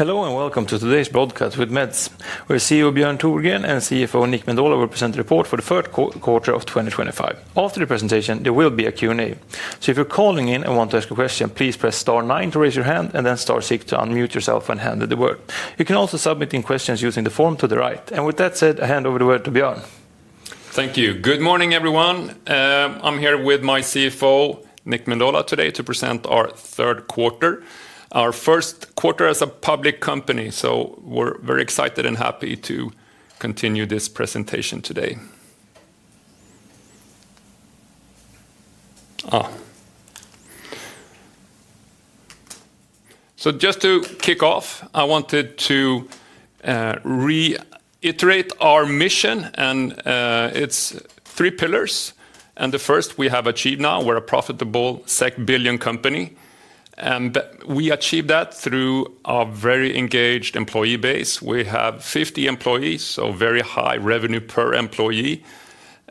Hello and welcome to today's broadcast with MEDS. Our CEO Björn Thorngren and CFO Nick Mendola will present a report for the third quarter of 2025. After the presentation, there will be a Q&A. If you're calling in and want to ask a question, please press star nine to raise your hand and then star six to unmute yourself and hand the word. You can also submit questions using the form to the right. With that said, I hand over the word to Björn. Thank you. Good morning, everyone. I'm here with my CFO, Nick Mendola, today to present our third quarter. Our first quarter as a public company, so we're very excited and happy to continue this presentation today. Just to kick off, I wanted to reiterate our mission, and its three pillars. The first we have achieved now, we're a profitable SEK-billion company. We achieved that through our very engaged employee base. We have 50 employees, so very high revenue per employee.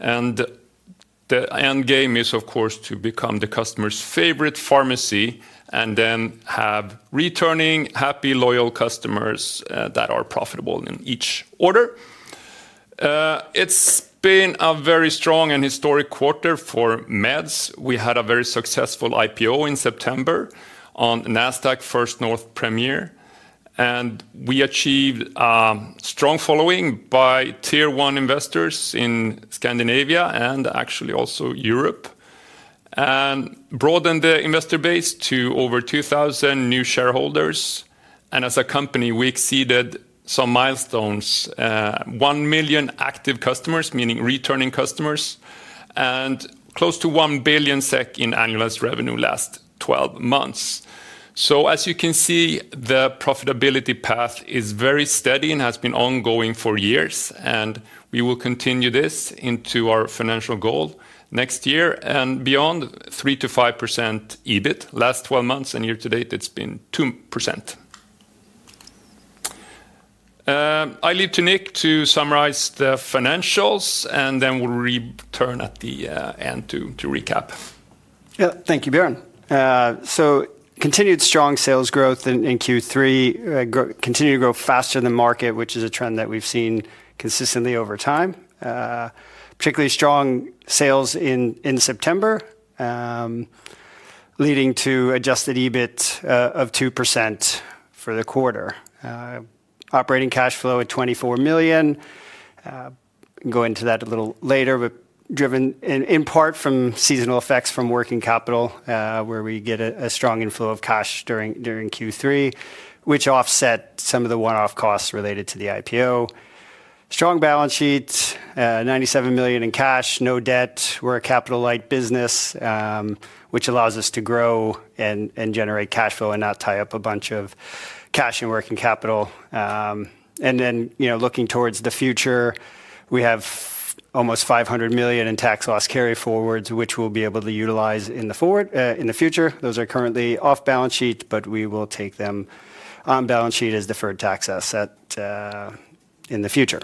The end game is, of course, to become the customer's favorite pharmacy and then have returning, happy, loyal customers that are profitable in each order. It's been a very strong and historic quarter for MEDS. We had a very successful IPO in September on Nasdaq First North Premier. We achieved a strong following by tier one investors in Scandinavia and actually also Europe. We broadened the investor base to over 2,000 new shareholders. As a company, we exceeded some milestones: 1 million active customers, meaning returning customers, and close to 1 billion SEK in annualized revenue last 12 months. As you can see, the profitability path is very steady and has been ongoing for years. We will continue this into our financial goal next year and beyond, 3%-5% EBIT. Last 12 months and year to date, it has been 2%. I leave to Nick to summarize the financials, and then we will return at the end to recap. Yeah, thank you, Björn. Continued strong sales growth in Q3. Continued to grow faster than market, which is a trend that we've seen consistently over time. Particularly strong sales in September. Leading to adjusted EBIT of 2% for the quarter. Operating cash flow at 24 million. Go into that a little later, but driven in part from seasonal effects from working capital, where we get a strong inflow of cash during Q3, which offset some of the one-off costs related to the IPO. Strong balance sheet, 97 million in cash, no debt. We're a capital-light business. Which allows us to grow and generate cash flow and not tie up a bunch of cash in working capital. Looking towards the future, we have almost 500 million in tax loss carry forwards, which we'll be able to utilize in the future. Those are currently off balance sheet, but we will take them on balance sheet as deferred tax asset in the future.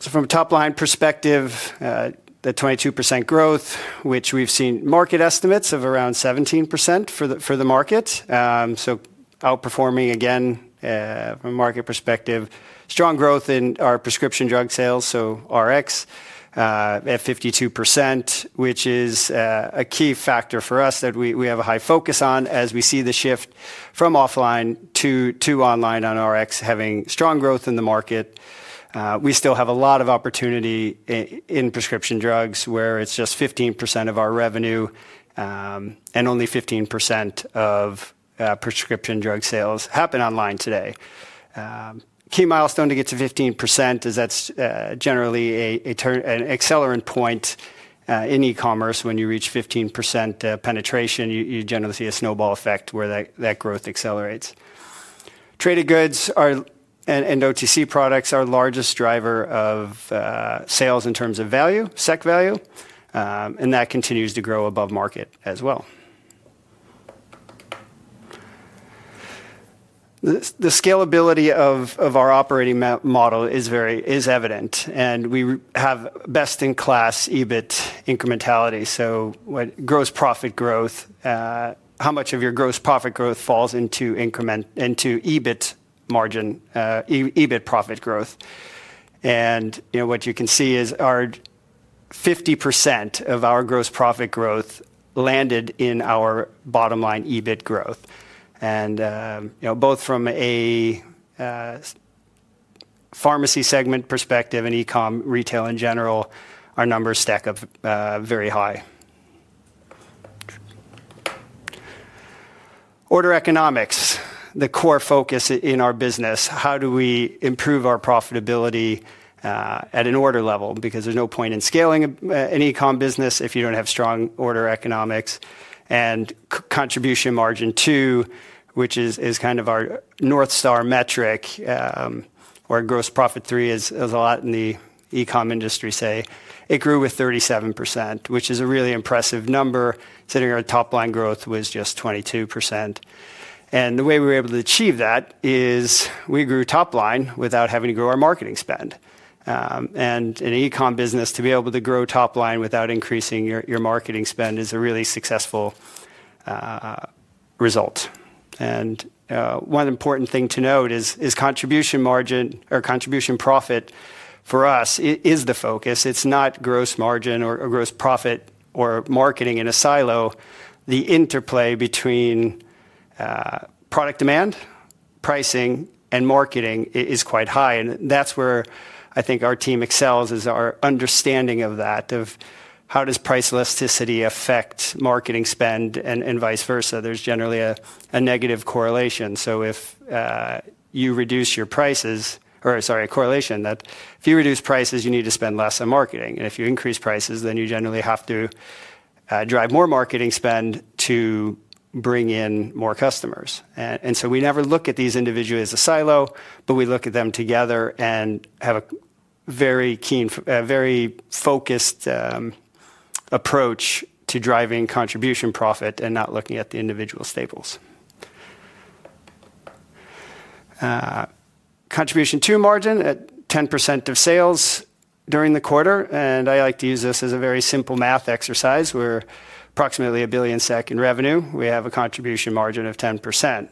From a top-line perspective, the 22% growth, which we've seen market estimates of around 17% for the market, so outperforming again from a market perspective. Strong growth in our prescription drug sales, so Rx, at 52%, which is a key factor for us that we have a high focus on as we see the shift from offline to online on Rx, having strong growth in the market. We still have a lot of opportunity in prescription drugs where it's just 15% of our revenue, and only 15% of prescription drug sales happen online today. Key milestone to get to 15% is that's generally an accelerant point in e-commerce. When you reach 15% penetration, you generally see a snowball effect where that growth accelerates. Trade goods and OTC products are the largest driver of sales in terms of value, SEK value. That continues to grow above market as well. The scalability of our operating model is evident, and we have best-in-class EBIT incrementality. What gross profit growth. How much of your gross profit growth falls into EBIT profit growth. What you can see is 50% of our gross profit growth landed in our bottom-line EBIT growth. Both from a pharmacy segment perspective and e-comm retail in general, our numbers stack up very high. Order economics, the core focus in our business. How do we improve our profitability at an order level? There is no point in scaling an e-comm business if you do not have strong order economics. Contribution margin two, which is kind of our North Star metric. Gross profit three is a lot in the e-comm industry, say. It grew with 37%, which is a really impressive number, considering our top-line growth was just 22%. The way we were able to achieve that is we grew top-line without having to grow our marketing spend. In an e-comm business, to be able to grow top-line without increasing your marketing spend is a really successful result. One important thing to note is contribution profit for us is the focus. It's not gross margin or gross profit or marketing in a silo. The interplay between product demand, pricing, and marketing is quite high. That's where I think our team excels is our understanding of that, of how does price elasticity affect marketing spend and vice versa. There's generally a negative correlation. If. You reduce your prices, or sorry, a correlation that if you reduce prices, you need to spend less on marketing. If you increase prices, then you generally have to drive more marketing spend to bring in more customers. We never look at these individually as a silo, but we look at them together and have a very focused approach to driving contribution profit and not looking at the individual staples. Contribution to margin at 10% of sales during the quarter. I like to use this as a very simple math exercise. We are approximately 1 billion SEK in revenue. We have a contribution margin of 10%.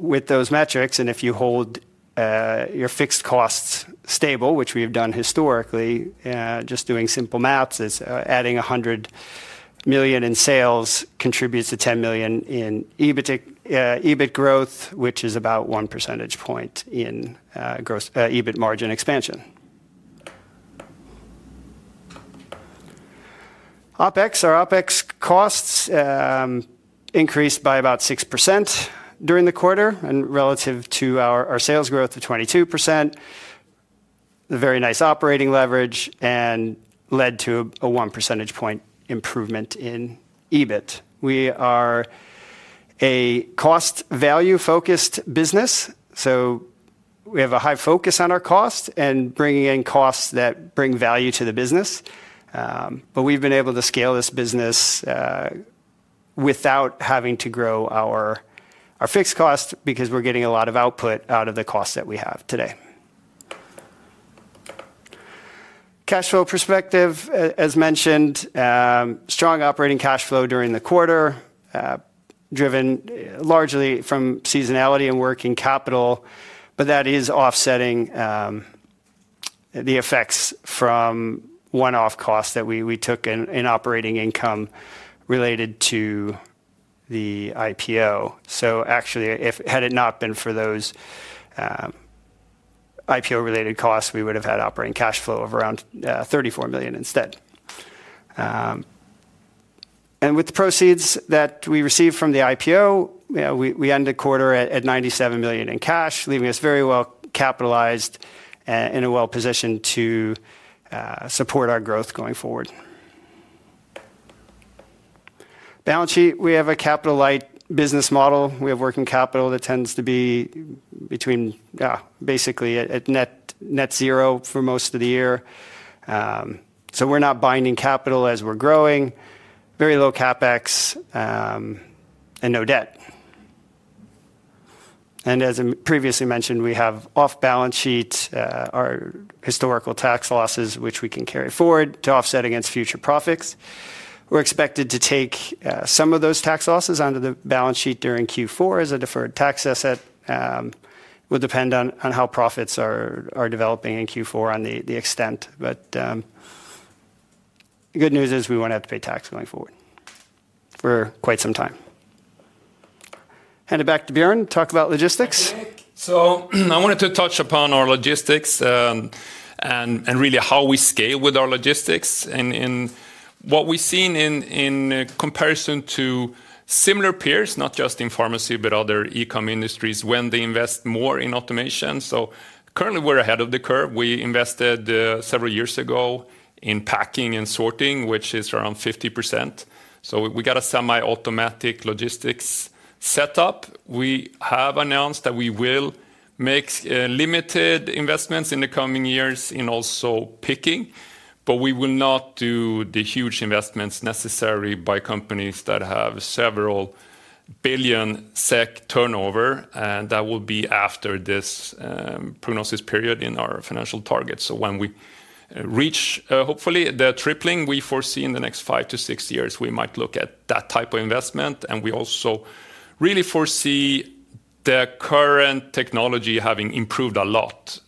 With those metrics, and if you hold your fixed costs stable, which we have done historically, just doing simple math, adding 100 million in sales contributes to 10 million in EBIT growth, which is about 1 percentage point in. EBIT margin expansion. OpEx, our OpEx costs, increased by about 6% during the quarter and relative to our sales growth of 22%. A very nice operating leverage and led to a 1 percentage point improvement in EBIT. We are a cost value-focused business, so we have a high focus on our cost and bringing in costs that bring value to the business. We've been able to scale this business without having to grow our fixed cost because we're getting a lot of output out of the cost that we have today. Cash flow perspective, as mentioned, strong operating cash flow during the quarter, driven largely from seasonality and working capital, but that is offsetting the effects from one-off costs that we took in operating income related to the IPO. Actually, if had it not been for those. IPO-related costs, we would have had operating cash flow of around 34 million instead. With the proceeds that we received from the IPO, we ended the quarter at 97 million in cash, leaving us very well capitalized and in a well-positioned to support our growth going forward. Balance sheet, we have a capital-light business model. We have working capital that tends to be between basically at net zero for most of the year. We are not binding capital as we are growing. Very low CapEx and no debt. As previously mentioned, we have off balance sheet our historical tax losses, which we can carry forward to offset against future profits. We are expected to take some of those tax losses onto the balance sheet during Q4 as a deferred tax asset. It will depend on how profits are developing in Q4 and the extent. The good news is we won't have to pay tax going forward. For quite some time. Hand it back to Björn, talk about logistics. I wanted to touch upon our logistics. Really how we scale with our logistics. What we have seen in comparison to similar peers, not just in pharmacy, but other e-comm industries, when they invest more in automation. Currently, we are ahead of the curve. We invested several years ago in packing and sorting, which is around 50%. We have a semi-automatic logistics setup. We have announced that we will make limited investments in the coming years in also picking, but we will not do the huge investments necessary by companies that have several billion SEK turnover. That will be after this prognosis period in our financial targets. When we reach, hopefully, the tripling we foresee in the next five to six years, we might look at that type of investment. We also really foresee the current technology having improved a lot.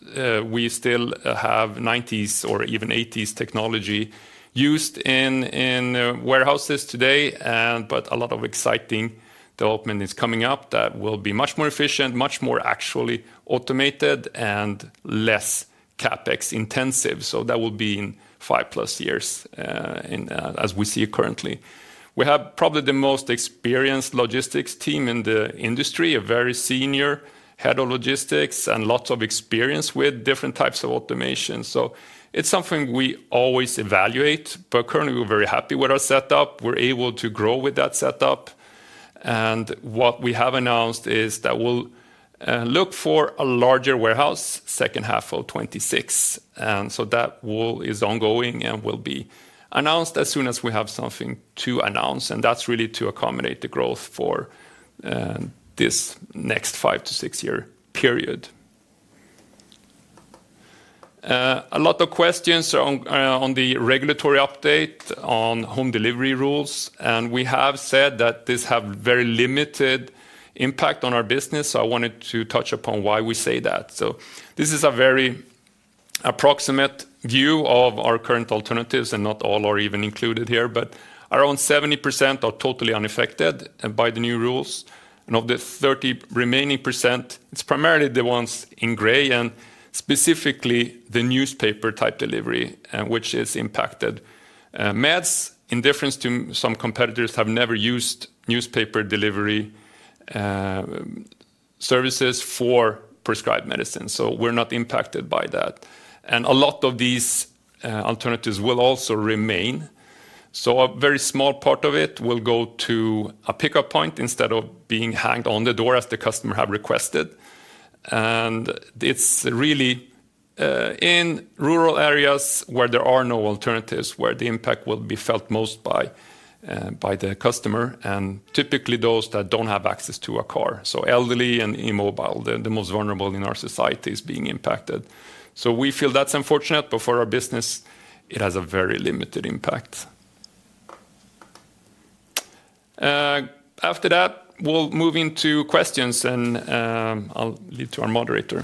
We still have 1990s or even 1980s technology used in warehouses today, but a lot of exciting development is coming up that will be much more efficient, much more actually automated, and less CapEx intensive. That will be in 5+ years as we see it currently. We have probably the most experienced logistics team in the industry, a very senior Head of Logistics and lots of experience with different types of automation. It is something we always evaluate, but currently we're very happy with our setup. We're able to grow with that setup. What we have announced is that we'll look for a larger warehouse second half of 2026. That is ongoing and will be announced as soon as we have something to announce. That is really to accommodate the growth for this next five-to-six-year period. A lot of questions on the regulatory update on home delivery rules. We have said that this has very limited impact on our business. I wanted to touch upon why we say that. This is a very approximate view of our current alternatives, and not all are even included here, but around 70% are totally unaffected by the new rules. Of the 30% remaining, it is primarily the ones in gray and specifically the newspaper type delivery, which is impacted. MEDS, in difference to some competitors, have never used newspaper delivery services for prescribed medicine. We are not impacted by that. A lot of these alternatives will also remain. A very small part of it will go to a pickup point instead of being hanged on the door as the customer has requested. It is really. In rural areas where there are no alternatives, where the impact will be felt most by the customer and typically those that do not have access to a car. Elderly and immobile, the most vulnerable in our society is being impacted. We feel that is unfortunate, but for our business, it has a very limited impact. After that, we will move into questions, and I will leave to our moderator.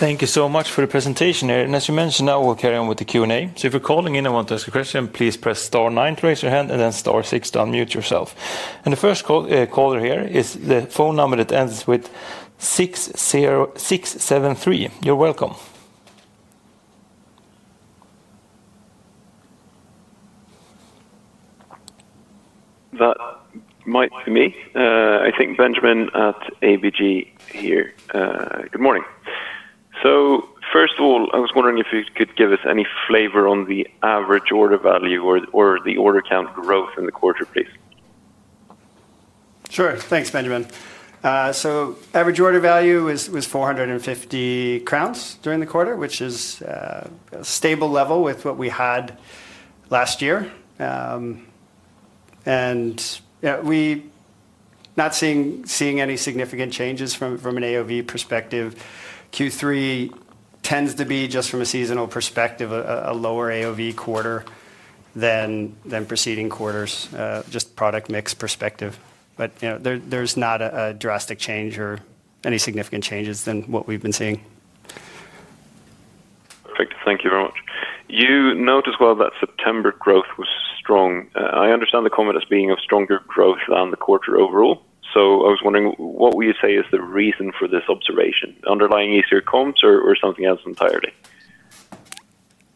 Thank you so much for the presentation here. As you mentioned, I will carry on with the Q&A. If you're calling in and want to ask a question, please press star nine to raise your hand and then star six to unmute yourself. The first caller here is the phone number that ends with 673. You're welcome. That might be me. I think Benjamin at ABG here. Good morning. First of all, I was wondering if you could give us any flavor on the average order value or the order count growth in the quarter, please. Sure. Thanks, Benjamin. Average order value was 450 crowns during the quarter, which is a stable level with what we had last year. Not seeing any significant changes from an AOV perspective. Q3 tends to be, just from a seasonal perspective, a lower AOV quarter than preceding quarters, just product mix perspective. There is not a drastic change or any significant changes than what we've been seeing. Perfect. Thank you very much. You noticed well that September growth was strong. I understand the comment as being of stronger growth on the quarter overall. I was wondering what would you say is the reason for this observation? Underlying easier comps or something else entirely?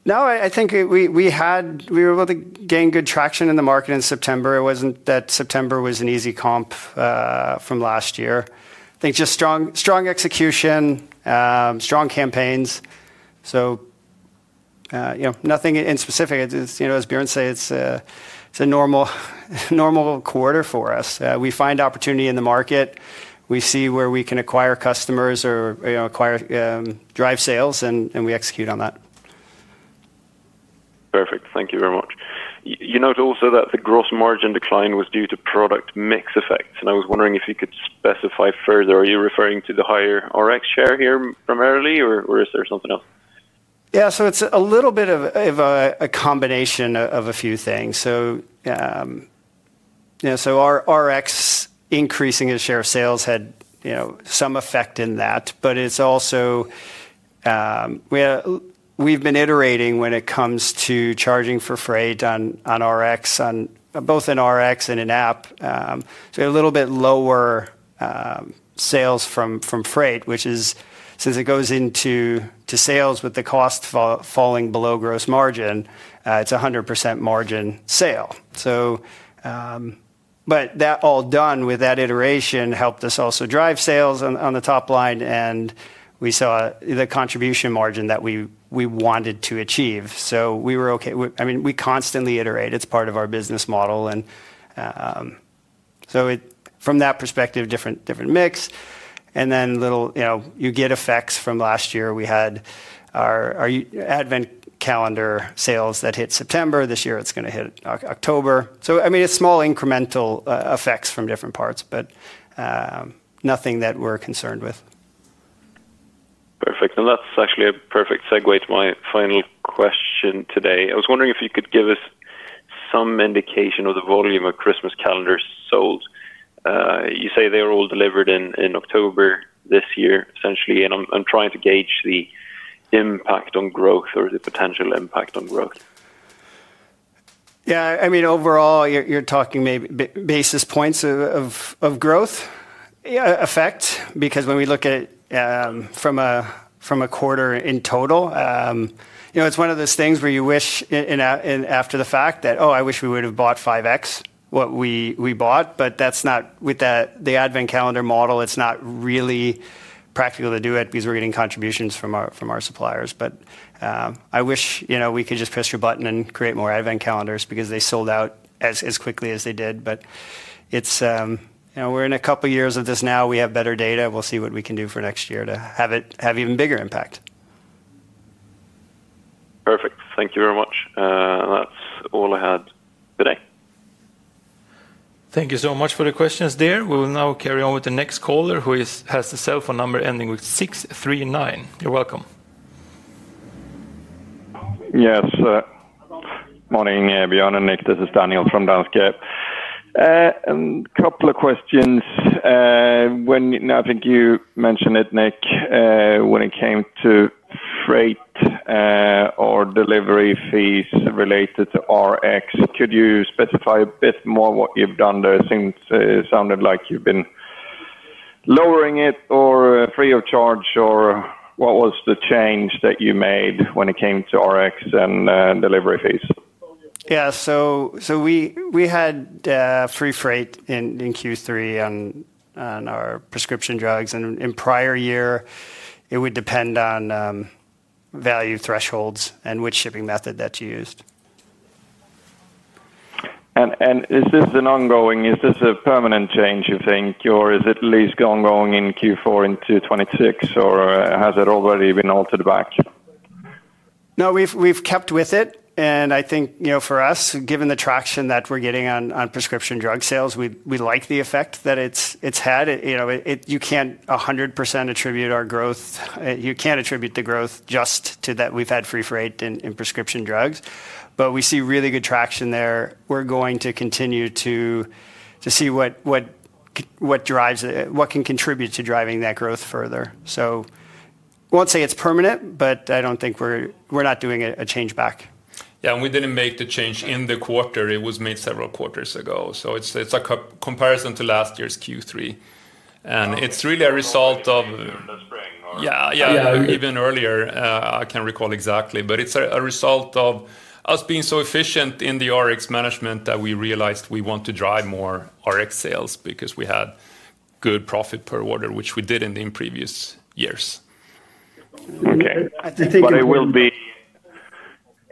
No, I think we were able to gain good traction in the market in September. It wasn't that September was an easy comp from last year. I think just strong execution, strong campaigns. Nothing in specific. As Björn said, it's a normal quarter for us. We find opportunity in the market. We see where we can acquire customers or drive sales, and we execute on that. Perfect. Thank you very much. You note also that the gross margin decline was due to product mix effects. I was wondering if you could specify further. Are you referring to the higher Rx share here primarily, or is there something else? Yeah, so it's a little bit of a combination of a few things. Our Rx increasing in share of sales had some effect in that, but it's also, we've been iterating when it comes to charging for freight on Rx, both in Rx and in app. We have a little bit lower sales from freight, which is, since it goes into sales with the cost falling below gross margin, it's a 100% margin sale. That all done with that iteration helped us also drive sales on the top line, and we saw the contribution margin that we wanted to achieve. We were okay. I mean, we constantly iterate. It's part of our business model. From that perspective, different mix. Then you get effects from last year. We had our advent calendar sales that hit September. This year it's going to hit October. I mean, it's small incremental effects from different parts, but nothing that we're concerned with. Perfect. That is actually a perfect segue to my final question today. I was wondering if you could give us some indication of the volume of Christmas calendars sold. You say they were all delivered in October this year, essentially. I am trying to gauge the impact on growth or the potential impact on growth. Yeah, I mean, overall, you're talking maybe basis points of growth. Effect, because when we look at from a quarter in total, it's one of those things where you wish after the fact that, oh, I wish we would have bought 5x what we bought. With the advent calendar model, it's not really practical to do it because we're getting contributions from our suppliers. I wish we could just push a button and create more advent calendars because they sold out as quickly as they did. We're in a couple of years of this now. We have better data. We'll see what we can do for next year to have even bigger impact. Perfect. Thank you very much. That is all I had today. Thank you so much for the questions, dear. We will now carry on with the next caller who has the cell phone number ending with 639. You're welcome. Yes. Good morning, Björn and Nick. This is Daniel from Danske. A couple of questions. I think you mentioned it, Nick, when it came to freight or delivery fees related to Rx. Could you specify a bit more what you've done there since it sounded like you've been lowering it or free of charge? Or what was the change that you made when it came to Rx and delivery fees? Yeah, so we had free freight in Q3 on our prescription drugs. And in prior year, it would depend on value thresholds and which shipping method that you used. Is this an ongoing? Is this a permanent change, you think? Is it at least ongoing in Q4 into 2026? Has it already been altered back? No, we've kept with it. I think for us, given the traction that we're getting on prescription drug sales, we like the effect that it's had. You can't 100% attribute our growth. You can't attribute the growth just to that we've had free freight in prescription drugs. We see really good traction there. We're going to continue to see what can contribute to driving that growth further. I won't say it's permanent, but I don't think we're not doing a change back. Yeah, and we didn't make the change in the quarter. It was made several quarters ago. It is a comparison to last year's Q3. It is really a result of. Even earlier. I can't recall exactly, but it's a result of us being so efficient in the Rx management that we realized we want to drive more Rx sales because we had good profit per order, which we didn't in previous years. Okay.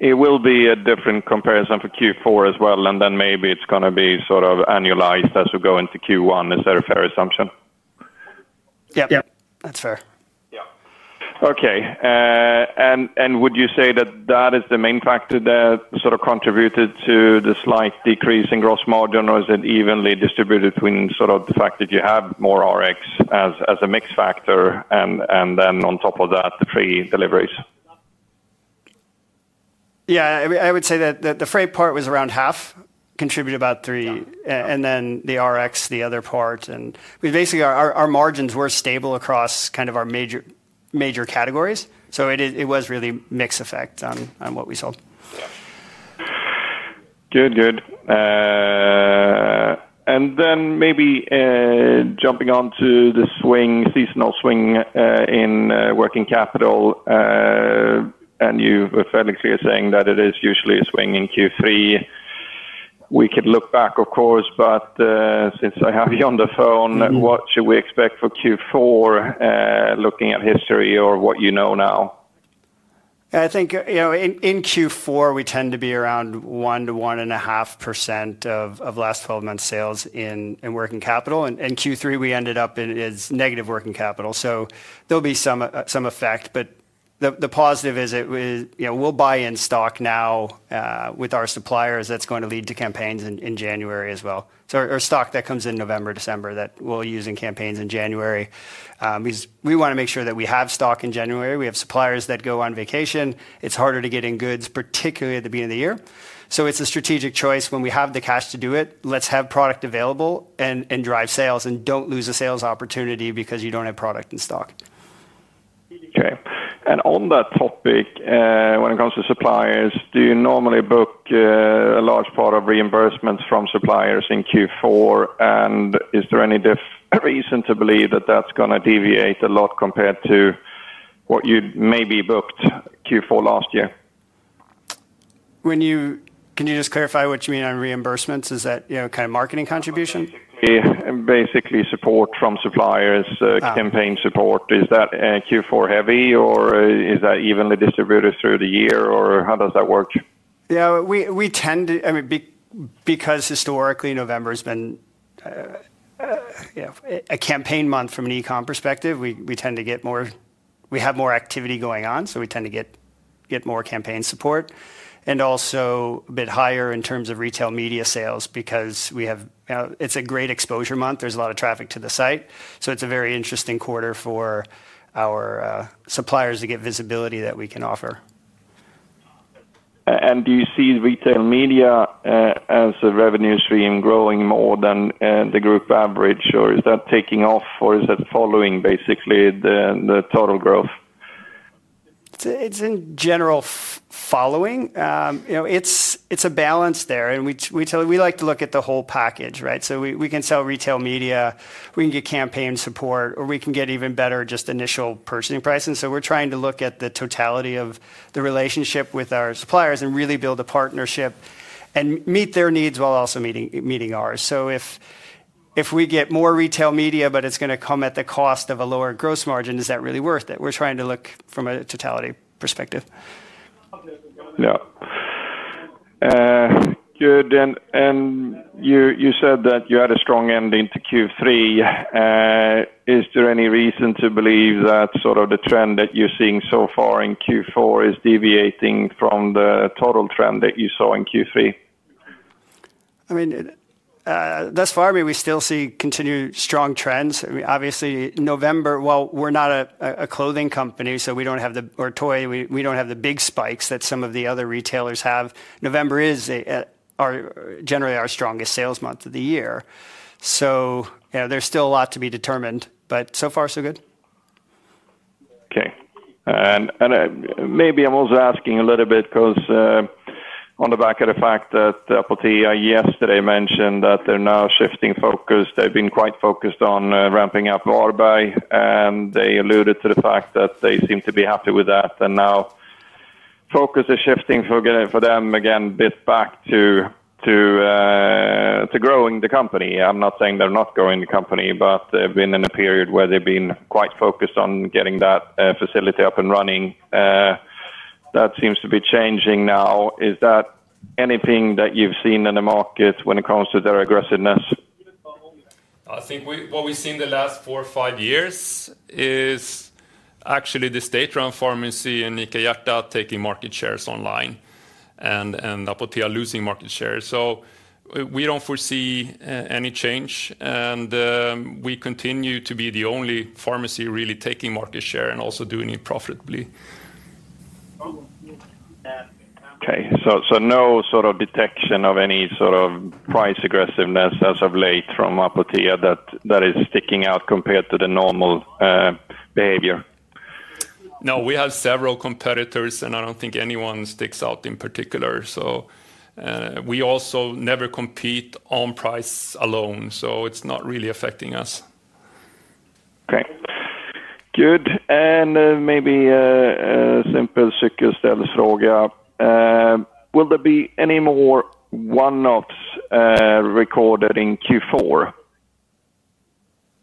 It will be a different comparison for Q4 as well. Then maybe it's going to be sort of annualized as we go into Q1. Is that a fair assumption? Yeah, that's fair. Yeah. Okay. Would you say that that is the main factor that sort of contributed to the slight decrease in gross margin, or is it evenly distributed between sort of the fact that you have more Rx as a mix factor and then on top of that, the free deliveries? Yeah, I would say that the freight part was around half, contributed about three, and then the Rx, the other part. Basically, our margins were stable across kind of our major categories. It was really mixed effect on what we sold. Good, good. Maybe jumping on to the seasonal swing in working capital. You were fairly clear saying that it is usually a swing in Q3. We could look back, of course, but since I have you on the phone, what should we expect for Q4? Looking at history or what you know now? I think in Q4, we tend to be around 1%-1.5% of last 12 months sales in working capital. In Q3, we ended up in negative working capital. There will be some effect, but the positive is we'll buy in stock now with our suppliers. That's going to lead to campaigns in January as well. Or stock that comes in November, December that we'll use in campaigns in January. Because we want to make sure that we have stock in January. We have suppliers that go on vacation. It's harder to get in goods, particularly at the beginning of the year. It is a strategic choice when we have the cash to do it. Let's have product available and drive sales and don't lose a sales opportunity because you don't have product in stock. Okay. On that topic, when it comes to suppliers, do you normally book a large part of reimbursements from suppliers in Q4? Is there any reason to believe that that's going to deviate a lot compared to what you maybe booked Q4 last year? Can you just clarify what you mean on reimbursements? Is that kind of marketing contribution? Basically support from suppliers, campaign support. Is that Q4 heavy or is that evenly distributed through the year? Or how does that work? Yeah, we tend to, because historically, November has been a campaign month from an e-comm perspective, we tend to get more, we have more activity going on, so we tend to get more campaign support. Also a bit higher in terms of retail media sales because it's a great exposure month. There's a lot of traffic to the site. It is a very interesting quarter for our suppliers to get visibility that we can offer. Do you see retail media as a revenue stream growing more than the group average? Or is that taking off or is that following basically the total growth? It's in general. Following. It's a balance there. We like to look at the whole package, right? We can sell retail media, we can get campaign support, or we can get even better just initial purchasing pricing. We're trying to look at the totality of the relationship with our suppliers and really build a partnership and meet their needs while also meeting ours. If we get more retail media, but it's going to come at the cost of a lower gross margin, is that really worth it? We're trying to look from a totality perspective. Yeah. Good. You said that you had a strong ending to Q3. Is there any reason to believe that sort of the trend that you're seeing so far in Q4 is deviating from the total trend that you saw in Q3? I mean. Thus far, I mean, we still see continued strong trends. Obviously, November, while we're not a clothing company, so we don't have the, or toy, we don't have the big spikes that some of the other retailers have. November is generally our strongest sales month of the year. There is still a lot to be determined, but so far, so good. Okay. Maybe I'm also asking a little bit because on the back of the fact that Apotea yesterday mentioned that they're now shifting focus. They've been quite focused on ramping up Varberg, and they alluded to the fact that they seem to be happy with that. Now focus is shifting for them again a bit back to growing the company. I'm not saying they're not growing the company, but they've been in a period where they've been quite focused on getting that facility up and running. That seems to be changing now. Is that anything that you've seen in the market when it comes to their aggressiveness? I think what we've seen the last four or five years is actually the state-run pharmacy and Apoteket taking market shares online. And Apotea are losing market shares. We don't foresee any change. We continue to be the only pharmacy really taking market share and also doing it profitably. Okay. So no sort of detection of any sort of price aggressiveness as of late from Apotea that is sticking out compared to the normal behavior? No, we have several competitors, and I don't think anyone sticks out in particular. We also never compete on price alone, so it's not really affecting us. Okay. Good. Maybe a simple circumstance. Will there be any more one-offs recorded in Q4?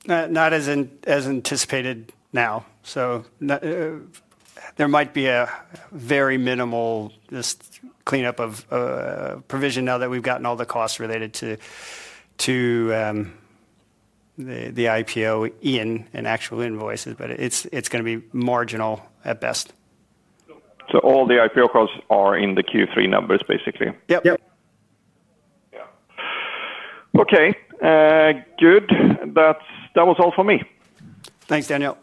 Not as anticipated now. There might be a very minimal just cleanup of provision now that we've gotten all the costs related to the IPO in and actual invoices, but it's going to be marginal at best. All the IPO costs are in the Q3 numbers basically? Yep. Yeah. Okay. Good. That was all for me. Thanks, Daniel.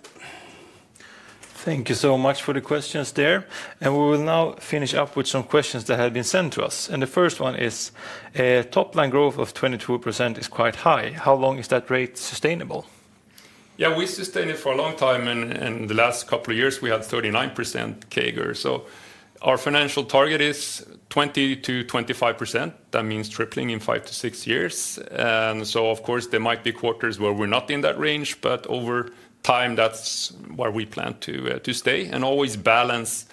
Thank you so much for the questions there. We will now finish up with some questions that have been sent to us. The first one is. Top line growth of 24% is quite high. How long is that rate sustainable? Yeah, we sustain it for a long time. In the last couple of years, we had 39% CAGR. Our financial target is 20%-25%. That means tripling in five to six years. Of course, there might be quarters where we're not in that range, but over time, that's where we plan to stay. We always balance,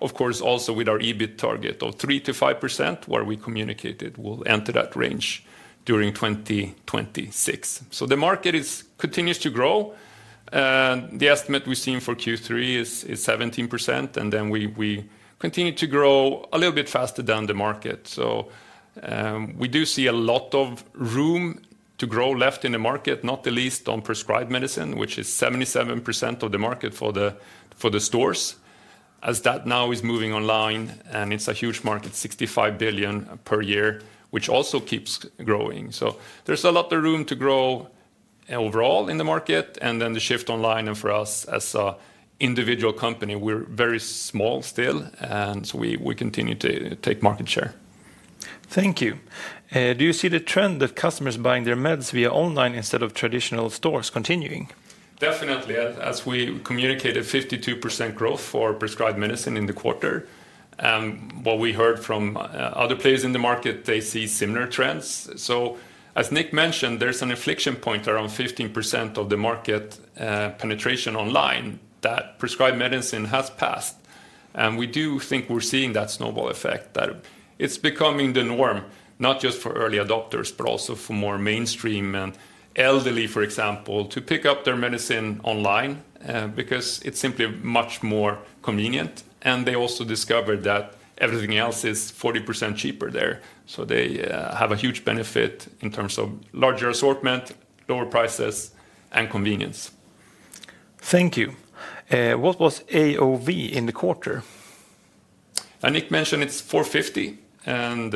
of course, also with our EBIT target of 3%-5%, where we communicated we'll enter that range during 2026. The market continues to grow. The estimate we've seen for Q3 is 17%, and we continue to grow a little bit faster than the market. We do see a lot of room to grow left in the market, not the least on prescribed medicine, which is 77% of the market for the stores. As that now is moving online, and it's a huge market, 65 billion per year, which also keeps growing. There's a lot of room to grow overall in the market, and then the shift online. For us as an individual company, we're very small still. We continue to take market share. Thank you. Do you see the trend that customers buying their meds via online instead of traditional stores continuing? Definitely. As we communicated, 52% growth for prescribed medicine in the quarter. What we heard from other players in the market, they see similar trends. As Nick mentioned, there's an inflection point around 15% of the market. Penetration online that prescribed medicine has passed. We do think we're seeing that snowball effect that it's becoming the norm, not just for early adopters, but also for more mainstream and elderly, for example, to pick up their medicine online because it's simply much more convenient. They also discovered that everything else is 40% cheaper there. They have a huge benefit in terms of larger assortment, lower prices, and convenience. Thank you. What was AOV in the quarter? Nick mentioned it's 450, and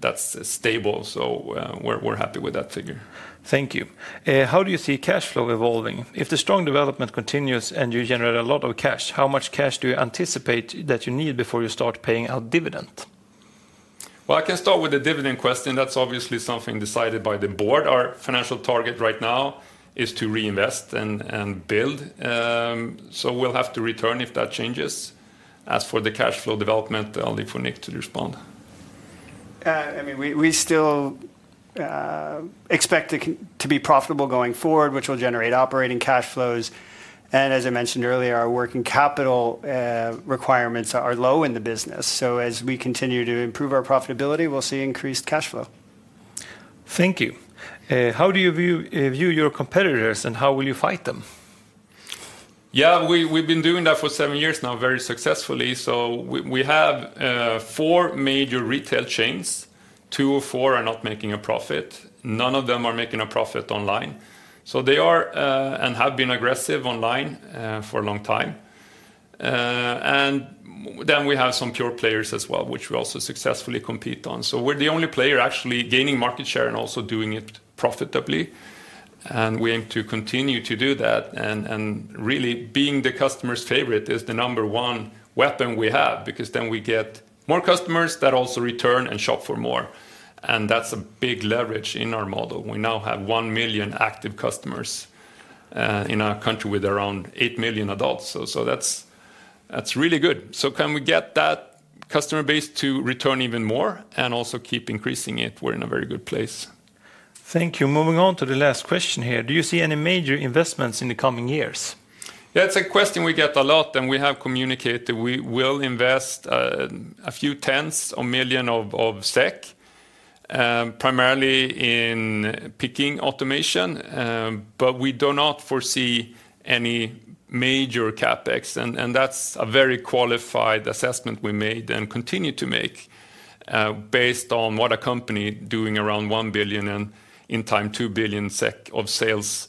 that's stable. So we're happy with that figure. Thank you. How do you see cash flow evolving? If the strong development continues and you generate a lot of cash, how much cash do you anticipate that you need before you start paying out dividend? I can start with the dividend question. That is obviously something decided by the board. Our financial target right now is to reinvest and build. We will have to return if that changes. As for the cash flow development, I will leave for Nick to respond. I mean, we still expect to be profitable going forward, which will generate operating cash flows. As I mentioned earlier, our working capital requirements are low in the business. As we continue to improve our profitability, we'll see increased cash flow. Thank you. How do you view your competitors and how will you fight them? Yeah, we've been doing that for seven years now, very successfully. We have four major retail chains. Two of four are not making a profit. None of them are making a profit online. They are and have been aggressive online for a long time. We have some pure players as well, which we also successfully compete on. We're the only player actually gaining market share and also doing it profitably. We aim to continue to do that. Really being the customer's favorite is the number one weapon we have because then we get more customers that also return and shop for more. That's a big leverage in our model. We now have 1 million active customers in our country with around 8 million adults. That's really good. Can we get that customer base to return even more and also keep increasing it? We're in a very good place. Thank you. Moving on to the last question here. Do you see any major investments in the coming years? Yeah, it's a question we get a lot, and we have communicated we will invest a few tens of million SEK, primarily in picking automation, but we do not foresee any major CapEx. That's a very qualified assessment we made and continue to make, based on what a company is doing around 1 billion and in time 2 billion SEK of sales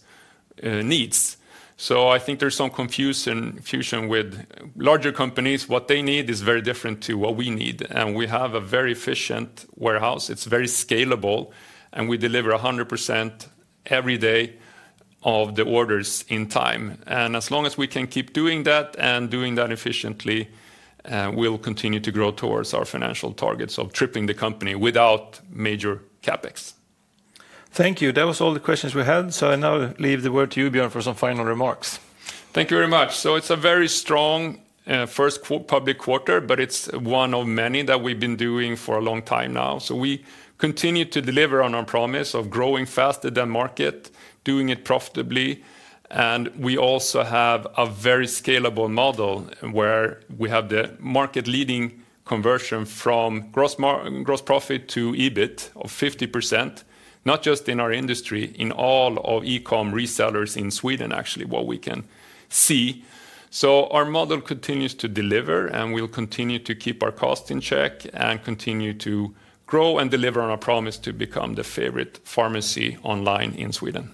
needs. I think there's some confusion with larger companies. What they need is very different to what we need. We have a very efficient warehouse. It's very scalable. We deliver 100% every day of the orders in time. As long as we can keep doing that and doing that efficiently, we'll continue to grow towards our financial targets of tripling the company without major CapEx. Thank you. That was all the questions we had. I now leave the word to you, Björn, for some final remarks. Thank you very much. It's a very strong first public quarter, but it's one of many that we've been doing for a long time now. We continue to deliver on our promise of growing faster than market, doing it profitably. We also have a very scalable model where we have the market leading conversion from gross profit to EBIT of 50%, not just in our industry, in all of e-comm resellers in Sweden, actually, what we can see. Our model continues to deliver and we'll continue to keep our costs in check and continue to grow and deliver on our promise to become the favorite pharmacy online in Sweden.